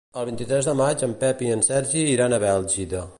El vint-i-tres de maig en Pep i en Sergi iran a Bèlgida.